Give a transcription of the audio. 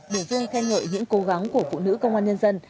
để vương khen ngợi những cố gắng của phụ nữ công an nhân dân